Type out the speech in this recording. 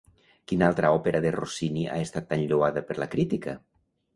Quina altra òpera de Rossini ha estat tan lloada per la crítica?